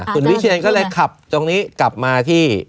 คุณวิเชียนก็เลยขับตรงนี้กลับมาที่